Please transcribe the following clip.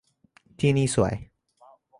ที่นี่สวย